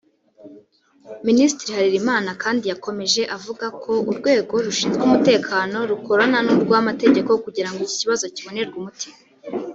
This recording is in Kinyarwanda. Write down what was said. Minisitiri harerimana kandi yakomeje avuga ko urwego rushinzwe umutekano rukorana n’urwa amategeko kugira iki kibazo kibonerwe umuti